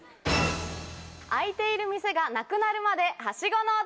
開いている店がなくなるまでハシゴの旅！